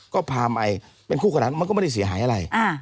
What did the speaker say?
ก็พาไปเป็นคู่ขนาดมันก็ไม่ได้เสียหายอะไร